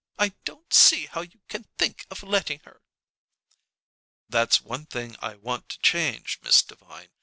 I don't see how you can think of letting her." "That's one thing I want to change, Miss Devine.